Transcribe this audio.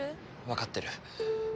わかってる。